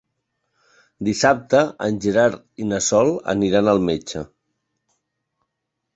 Dissabte en Gerard i na Sol aniran al metge.